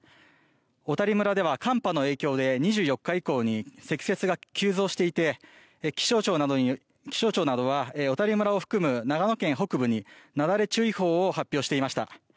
小谷村では寒波の影響で２４日以降に積雪が急増していて気象庁などは小谷村を含む長野県北部になだれ注意報を発表していました。